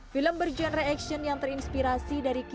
film bergenre action yang terinspirasi dari kisah ini